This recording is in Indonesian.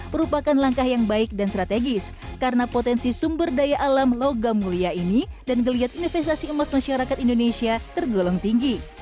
merupakan langkah yang baik dan strategis karena potensi sumber daya alam logam mulia ini dan geliat investasi emas masyarakat indonesia tergolong tinggi